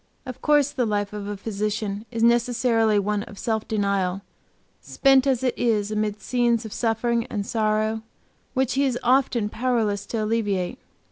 Of course the life of a physician is necessarily one of self denial, spent as it is amid scenes of suffering and sorrow, which he is often powerless to alleviate.